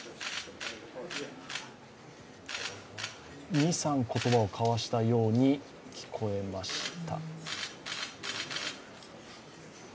二、三、言葉を交わしたように聞こえました。